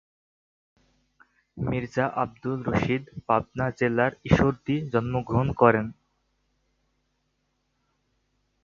মীর্জা আব্দুর রশিদ পাবনা জেলার ঈশ্বরদী জন্মগ্রহণ করেন।